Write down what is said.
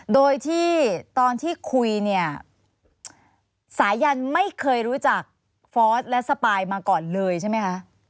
โดยที่ตอนที่คุยเนี่ยสายันไม่เคยรู้จักฟอร์สและสปายมาก่อนเลยใช่ไหมคะ